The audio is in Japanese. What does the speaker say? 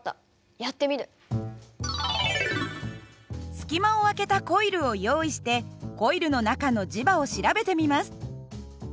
隙間を開けたコイルを用意してコイルの中の磁場を調べてみます。